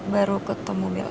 baru ketemu bella